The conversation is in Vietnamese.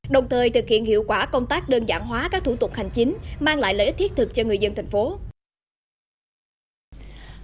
đồng thời thực hiện hiệu quả công tác đơn giản hóa các thủ tục hành chính mang lại lợi ích thiết thực cho người dân thành phố